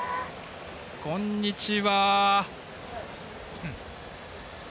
こんにちは。